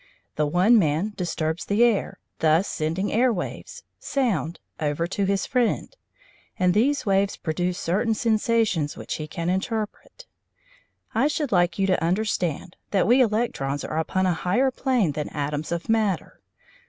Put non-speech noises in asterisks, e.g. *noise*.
The one man disturbs the air, thus sending air waves *noise* over to his friend, and these waves produce certain sensations which he can interpret. I should like you to understand that we electrons are upon a higher plane than atoms of matter.